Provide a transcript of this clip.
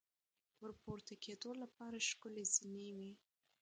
ور پورته کېدو لپاره ښکلې زینې وې.